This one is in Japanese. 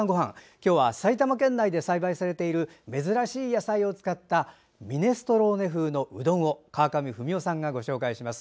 今日は埼玉県内で栽培されている珍しい野菜を使ったミネストローネ風のうどんを川上文代さんがご紹介します。